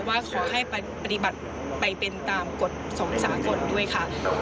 ว่าขอให้ปฏิบัติไปเป็นตามกฎของสากลด้วยค่ะ